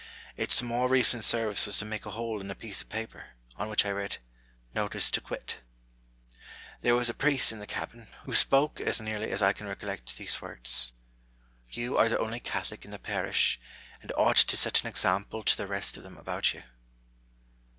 Its more recent service was to make a hole in a piece of paper, on which I read, "Notice to quit." There was a priest in the cabin, who spoke, as nearly as BOULTER AND SAVAGE. 117 I can recollect, these words :" You are the only Catholic in the parish, and ought to set an example to the rest of them about you."